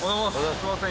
すいません。